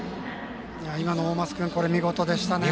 今の大舛君、見事でしたね。